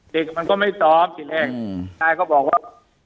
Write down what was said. เด็กก็ไม่ต้องที่แรกน่าจะบอกว่า